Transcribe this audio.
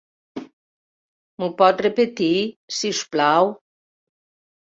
M'ho pot repetir, si us plau?